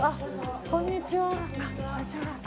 こんにちは。